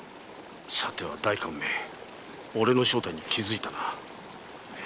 さては代官め俺の正体に気づいたな